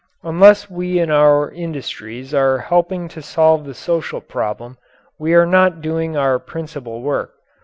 Unless we in our industries are helping to solve the social problem, we are not doing our principal work.